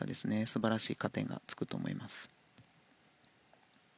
素晴らしい加点がつくと思います。